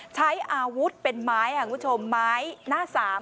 ใช้อาวุธเป็นไม้ค่ะคุณผู้ชมไม้หน้าสาม